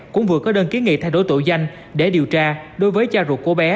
cũng vừa có đơn kiến nghị thay đổi tổ danh để điều tra đối với cha ruột của bé